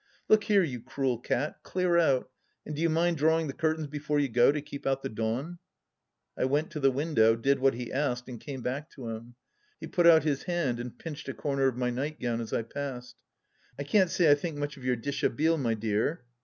" Look here, you cruel cat, clear out — and do you mind drawing the curtains before you go, to keep out the dawn ?" I went to the window, did what he asked, and came back to him. He put out his hand and pinched a corner of my nightgown as I passed :" I can't say I think much of your dishabille, my dear.